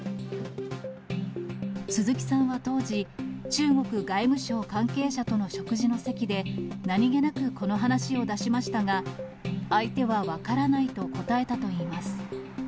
鈴木さんは当時、中国外務省関係者との食事の席で、何気なく、この話を出しましたが、相手は分からないと答えたといいます。